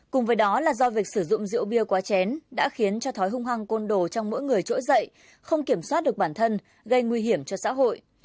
cùng với đó là do việc sử dụng rượu bia quá chén đã khiến cho thói hung hăng côn đồ trong mỗi người trỗi dậy không kiểm soát được bản thân gây nguy hiểm cho xã hội